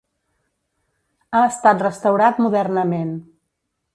Ha estat restaurat modernament.